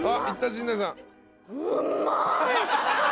陣内さん。